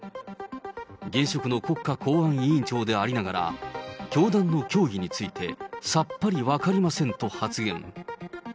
現職の国家公安委員長でありながら、教団の教義について、さっぱり分かりませんと発言。